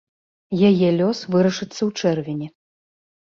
Яе лёс вырашыцца ў чэрвені.